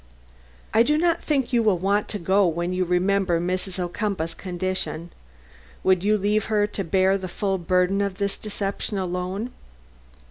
"I do not think you will want to go when you remember Mrs. Ocumpaugh's condition. Would you leave her to bear the full burden of this deception alone?